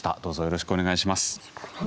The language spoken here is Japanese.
よろしくお願いします。